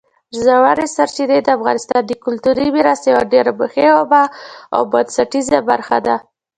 ژورې سرچینې د افغانستان د کلتوري میراث یوه ډېره مهمه او بنسټیزه برخه ده.